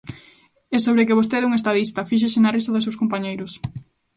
E, sobre que vostede é un estadista, fíxese na risa dos seus compañeiros.